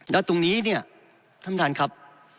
แล้วตรงนี้เนี่ยทำดานครับ